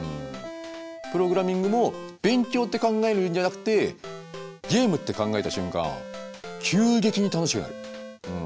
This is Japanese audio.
プログラミングも勉強って考えるんじゃなくてゲームって考えた瞬間急激に楽しくなる。